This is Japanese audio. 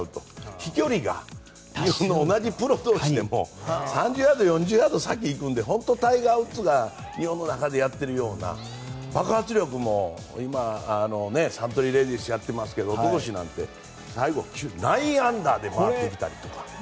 飛距離が日本の同じプロ同士でも３０ヤード、４０ヤード先に行くので本当にタイガー・ウッズが日本の中でやっているような爆発力も今サントリーレディースをやっていますけどおととしなんて最後、９アンダーで回ってきたりとか。